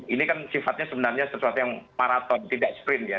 ini kan sifatnya sebenarnya sesuatu yang maraton tidak sprint ya